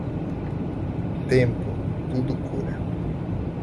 Tempo, tudo cura.